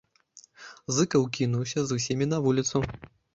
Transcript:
Зыкаў кінуўся з усімі на вуліцу.